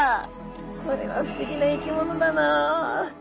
これは不思議な生き物だなあ。